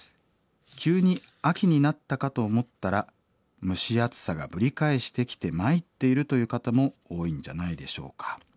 急に秋になったかと思ったら蒸し暑さがぶり返してきて参っているという方も多いんじゃないでしょうか。